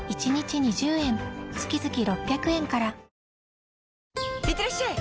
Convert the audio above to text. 「ビオレ」いってらっしゃい！